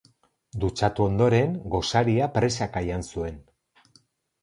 Dutxatu ondoren gosaria presaka jan zuen.